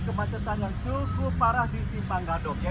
kecetan yang cukup parah di simpanggadok